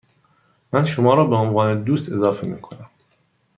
من شما را به عنوان دوست اضافه می کنم.